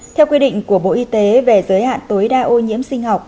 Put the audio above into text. theo quy định của bộ y tế về giới hạn tối đa ô nhiễm sinh học